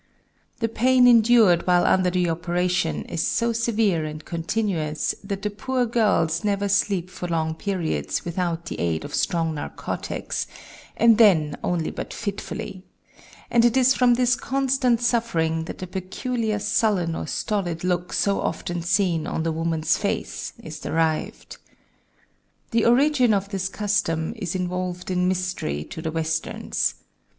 The pain endured while under the operation is so severe and continuous that the poor girls never sleep for long periods without the aid of strong narcotics, and then only but fitfully; and it is from this constant suffering that the peculiar sullen or stolid look so often seen on the woman's face is derived. The origin of this custom is involved in mystery to the Westerns.